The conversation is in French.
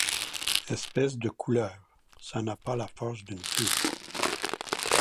Espèce de couleuvre! ça n’a pas la force d’une fille !...